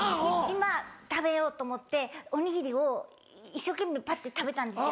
今食べようと思っておにぎりを一生懸命ぱって食べたんですよ。